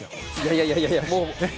いやいや。